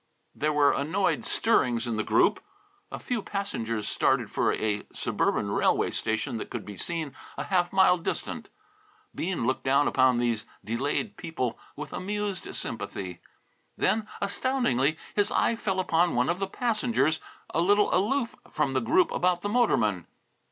There were annoyed stirrings in the group. A few passengers started for a suburban railway station that could be seen a half mile distant. Bean looked down upon these delayed people with amused sympathy. Then, astoundingly, his eye fell upon one of the passengers a little aloof from the group about the motorman.